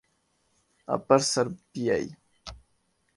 اپر سربیائی